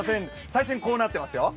最新はこうなってますよ。